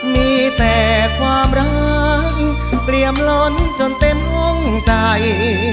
มีแต่ความรักเปรียมล้นจนเต็มห้องใจ